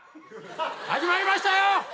始まりましたよ！